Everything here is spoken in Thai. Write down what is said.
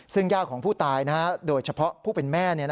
ซึ่งย่าของผู้ตายโดยเฉพาะผู้เป็นแม่